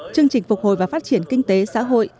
chương trình phục hồi và phát triển kinh tế xã hội